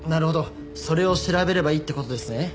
それを調べればいいって事ですね。